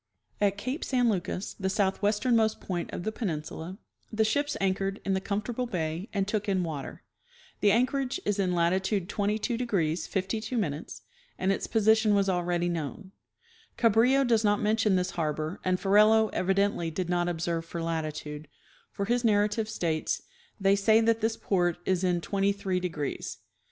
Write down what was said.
At cape San Lucas, the southwesternmost point of the penin sula, the ships anchored in the comfortable bay and took in water. The anchorage is in latitude 22° 52' and its position was already known. Cabrillo does not mention this harbor, and Ferrelo evidently did not observe for latitude, for his narrative states, " they say that this port is in twenty three degrees."